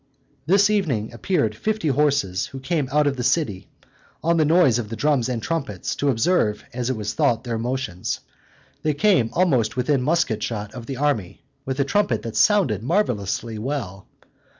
This evening appeared fifty horses, who came out of the city, on the noise of the drums and trumpets, to observe, as it was thought, their motions: they came almost within musket shot of the army, with a trumpet that sounded marvelously well.